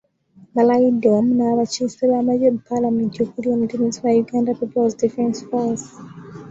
Balayidde wamu n’abakiise b’amagye mu Paalamenti okuli omuduumizi wa Uganda People's Defence Force.